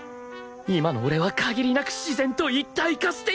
今の俺は限りなく自然と一体化している！